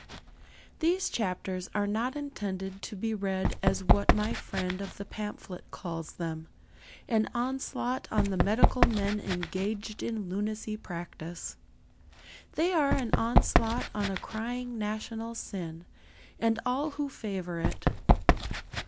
These chapters are not intended to be read as what my friend of the pamphlet calls them an onslaught on the medical men engaged in lunacy practice. They are an onslaught on a crying national sin, and all who favour it.